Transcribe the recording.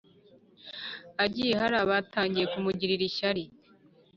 agiye harabatangiye kumugirira ishyari